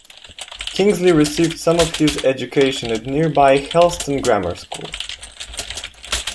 Kingsley received some of his education at nearby Helston Grammar School.